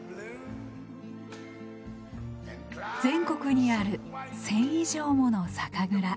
全国にある１，０００以上もの酒蔵。